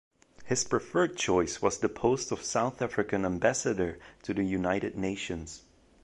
His preferred choice was the post of South African ambassador to the United Nations.